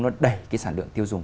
nó đẩy cái sản lượng tiêu dùng